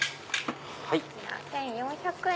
１４００円